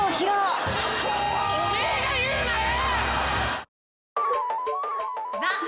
お前が言うなよ！